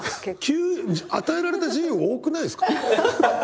急与えられた自由多くないですか？